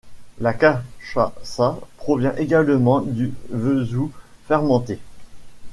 La cachaça provient également du vesou fermenté.